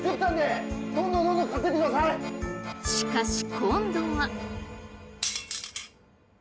しかし今度は。